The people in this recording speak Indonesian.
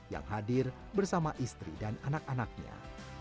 yang hadir bersama istri dan anak anaknya